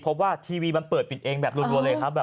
เพราะว่าทีวีมันเปิดปิดเองแบบรัวเลยครับ